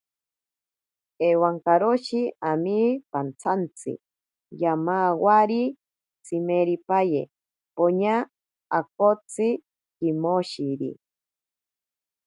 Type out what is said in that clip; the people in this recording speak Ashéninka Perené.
Ewankaroshi ami pantsantsi, yamawari tsimiripaye poña akakotsi kimoshiri.